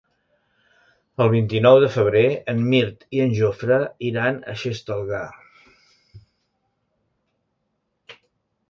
El vint-i-nou de febrer en Mirt i en Jofre iran a Xestalgar.